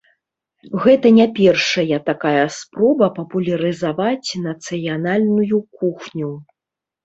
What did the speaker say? Гэта не першая такая спроба папулярызаваць нацыянальную кухню.